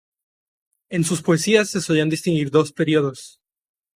En sus poesías se solían distinguir dos períodos.